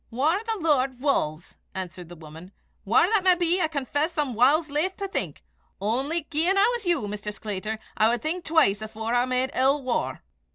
"Whaur the Lord wulls," answered the woman. "Whaur that may be, I confess I'm whiles laith to think. Only gien I was you, Maister Sclater, I wad think twise afore I made ill waur."